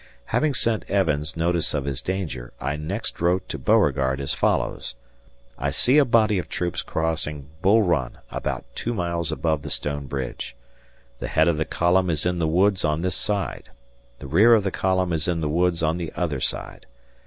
... Having sent Evans notice of his danger, I next wrote to Beauregard as follows: "I see a body of troops crossing Bull Run about two miles above the Stone Bridge The head of the column is in the woods on this side. The rear of the column is in the woods on the other side.